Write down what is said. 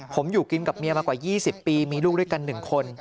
ผมอยู่กินกับเมียมากว่า๒๐ปีมีลูกด้วยกัน๑คน